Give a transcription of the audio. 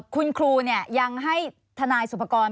คุณครูยังให้ทนายสุภกร